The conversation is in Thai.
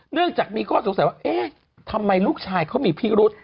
เนื่องจากมีข้อสงสัยว่าเอ๊ะทำไมลูกชายเขามีพิรุษ